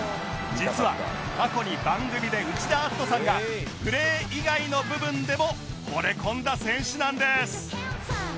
実は過去に番組で内田篤人さんがプレー以外の部分でもほれ込んだ選手なんです！